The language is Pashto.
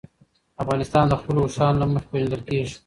افغانستان د خپلو اوښانو له مخې پېژندل کېږي.